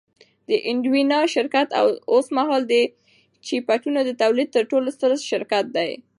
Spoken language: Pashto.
د انویډیا شرکت اوسمهال د چیپونو د تولید تر ټولو ستر شرکت دی